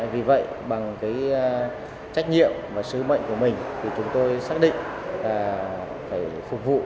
vì vậy bằng cái trách nhiệm và sứ mệnh của mình thì chúng tôi xác định là phải phục vụ